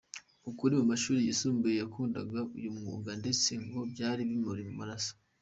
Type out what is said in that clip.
Akiri mu mashuri yisumbuye yakundaga uyu mwuga ndetse ngo byari bimuri mu maraso.